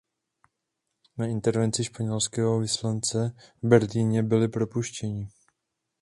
Na intervenci španělského vyslance v Berlíně byli propuštěni.